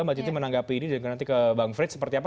mbak citi menanggapi ini dan nanti ke bang frits seperti apa